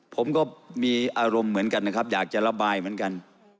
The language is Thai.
ผมก็มีอารมณ์เหมือนกันนะครับอยากจะระบายเหมือนกัน